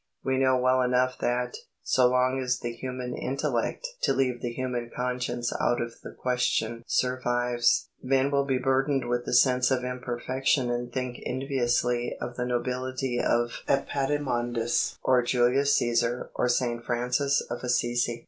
We know well enough that, so long as the human intellect (to leave the human conscience out of the question) survives, men will be burdened with the sense of imperfection and think enviously of the nobility of Epaminondas or Julius Cæsar or St Francis of Assisi.